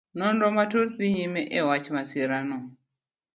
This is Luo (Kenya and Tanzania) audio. Nonro matut dhi nyime e wach masirano.